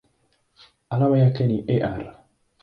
Alama yake ni Ar.